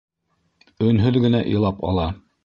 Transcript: Өнһөҙ генә илап ала.